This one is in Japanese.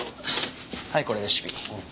はいこれレシピ。